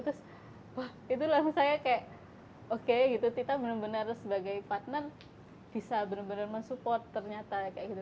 terus wah itulah saya kayak oke gitu tita bener bener sebagai partner bisa bener bener mensupport ternyata kayak gitu